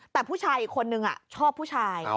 แต่ผู้ชายอีกคนนึงชอบผู้ชาย